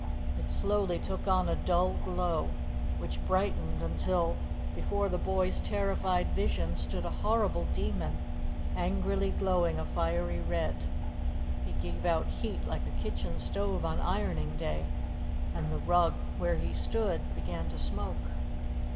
It slowly took on a dull glow, which brightened until before the boys' terrified vision stood a horrible demon, angrily glowing a fiery red. He gave out heat like a kitchen stove on ironing day, and the rug where he stood began to smoke.